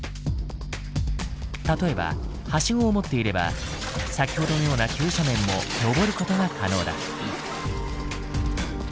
例えばハシゴを持っていれば先ほどのような急斜面ものぼることが可能だ。